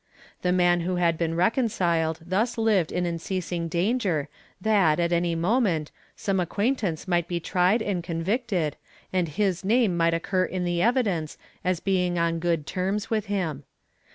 ^ The man who had been reconciled thus lived in unceasing danger that, at any moment, some acquaintance might be tried and convicted and his name might occur in the evidence as being on good terms with him.